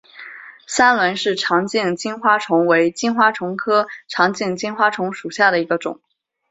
三轮氏长颈金花虫为金花虫科长颈金花虫属下的一个种。